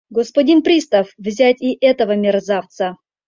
Господин пристав, взять и этого мерзавца!